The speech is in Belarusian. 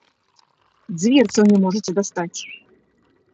Дзверцаў не можаце дастаць!